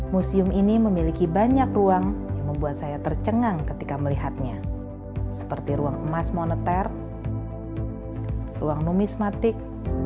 museum ini memiliki banyak ruang yang membuat saya tercengang ketika melihatnya seperti ruang emas moneter ruang nomismatik